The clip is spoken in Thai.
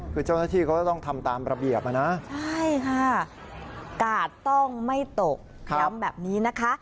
คือเจ้าหน้าที่เขาต้องทำตามระเบียบนะใช่ค่ะกาดต้องไม่ตกย้ำแบบนี้นะคะ